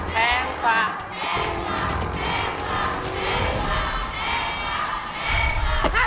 แกงกว่า